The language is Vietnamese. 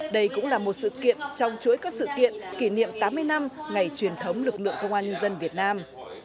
đây cũng là một sự kiện trong chuỗi các sự kiện kỷ niệm tám mươi năm ngày truyền thống lực lượng công an nhân dân việt nam